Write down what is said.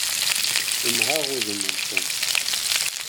Lemmεeɣ udem n Tom.